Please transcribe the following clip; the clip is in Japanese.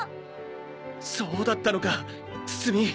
そうだったのかつつ実。